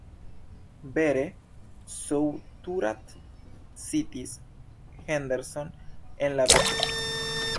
Vere Couturat citis Henderson en la verko.